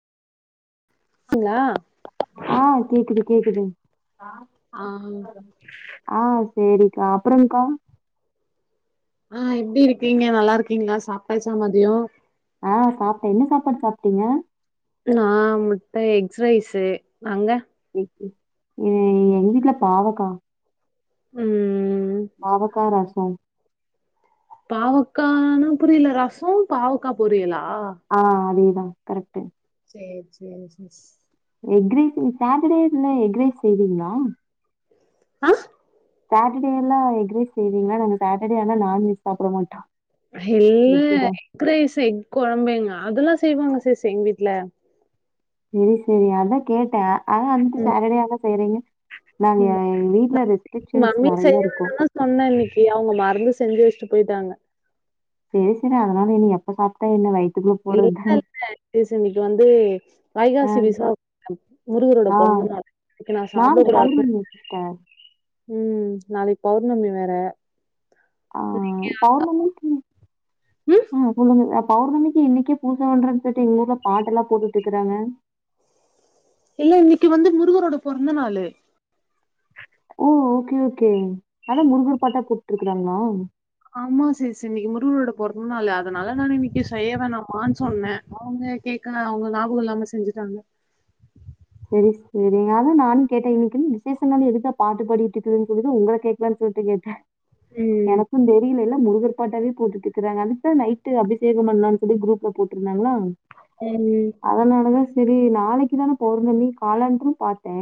ஆங்களா ஆ கேக்குது கேக்குது ஆ ஆ சரிக்கா அப்புறோ கா ஆ எப்டி இருக்கீங்க நல்லா இருக்கீங்களா சாப்டாச்சா மதியோ ஆ சாப்ட்டே என்ன சாப்பாடு சாப்ட்டீங்க நா முட்ட எக்ரைசு அங்க எ எங் வீட்ல பாவக்கா ம் பாவக்கா ரசோ பாவக்கானா புரியில ரசோ பாவக்கா பொரியலா ஆ அதேதா கரெக்ட்டு சேர் சேரி சிஸ் எக்ரைஸ் சட்டடேல எக்ரைஸ் செய்றீங்ளா ஆ சட்டடேல எக்ரைஷ் செய்வீங்க நாங்க சட்டடே ஆனா நான்வெஜ் சாப்ட மாட்டோ இல்ல வெஜ்ஜுதா எக் ரைஸ் எக் கொழம்பு எங்க அதெல்லா செய்வாங்க சிஸ் எங் வீட்ல சேரி சேரி அதா கேட்ட அதா வந்துட்டு ம் சட்டடே ஆனா செய்றீங்க நாங்க ம் எங்க வீட்ல ரெஸ்ட்ரிக்ஷன்ஸ் மம்மிய நெறைய செய்ய இருக்கு வேணான் தா சொன்ன இன்னிக்கு அவங்க மறந்து செஞ்சு வச்சுட்டு போய்ட்டாங்க செ செரி அதனால என்ன எப்ப சாப்ட்டா என்ன வயித்துக்குள்ள இல்ல போறதுதான சிஸ் இன்னைக்கு வந்து ஆ வைகாசி விசா [inaudible] முருகரோட ஆ பொறந்த நாள் இன்னைக்கி நா சாப்ட நாளைக்கு கூடாது பௌர்ணமியா சிஸ்டர் ம் நாளைக்கு பௌர்ணமி வேற ஆ பௌர்ணமிக்கு ம் ஆ சொல்லுங்க அப் பௌர்ணமிக்கு இன்னிக்கே பூஜ பண்றன் சொல்ட்டு எங்கூர்ல பாட்டு எல்லா போட்டுட்ருக்குறாங்க இல்ல இன்னிக்கு வந்து முருகரோட பொறந்த நாளு அ ஓகே ஓகே அதா முருகர் பாட்டா போட்டுருக்காங்களா ஆமா சிஸ் இன்னைக்கு முருகரோட பொறந்த நாளு அதனால நா இன்னைக்கு செய்யவேணாமான் சொன்ன அவங்க அ கேக்கல அவங்க ஞாபகோ இல்லாம செஞ்சுட்டாங்க சிஸ் சரிங்க அதா நானு கேட்ட இன்னிக்கு என்ன விசேஷமா இது எதுக்குடா பாட்டு பாடிட்டு இருக்குதுன்னு சொல்லி தா உங்கள கேக்கலான் சொல்ட்டு கேட்ட ம் வணக்கம் தோழி இன்ன என்ன முருகர் பாட்டாவே போட்டுட்ருக்குறாங்க அதுக்கு தா நைட்டு அபிஷேக பண்ணலான் சொல்லி குரூப்ல போட்டுருந்தாங்களா ம் அதனாலதா செரி நாளைக்கு தான பௌர்னமி காலாண்டரு பாத்தே